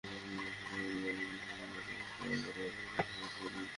তীরে এসে তরি ডোবার যন্ত্রণা সাব্বির রহমান কাল আরও একবার অনুভব করলেন।